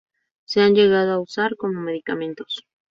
Se han llegado a usar como medicamentos.